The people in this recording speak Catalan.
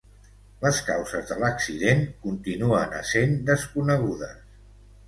Les causes de l'accident continuen essent desconegudes.